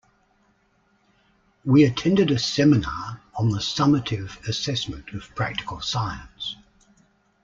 We attended a seminar on the summative assessment of practical science.